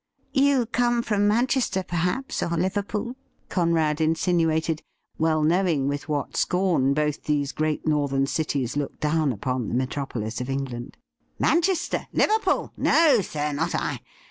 'You come from Manchester, perhaps, or Liverpool,' Conrad insinuated, well knowing with what scorn both these great Northern cities look down upon the Metropolis of England. ' Manchester ! Liverpool ! No, sir, not I.